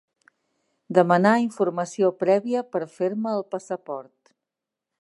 Demanar informació prèvia per fer-me el passaport.